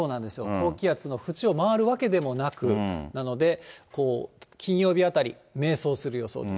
高気圧の縁を回るわけでもなく、なので、金曜日あたり迷走する予想です。